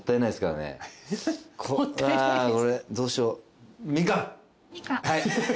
どうしよう。